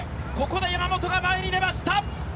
ここで山本が前に出ました。